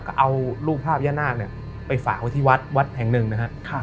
ก็เอารูปภาพย่านนาคเนี่ยไปฝาไว้ที่วัดแห่งหนึ่งนะครับ